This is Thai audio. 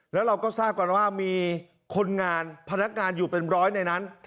แล้วเราก็ทราบกันว่ามีคนงานพนักงานอยู่เป็นร้อยในนั้น